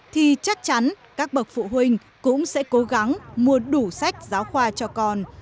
thì chắc chắn các bậc phụ huynh cũng sẽ cố gắng mua đủ sách giáo khoa cho con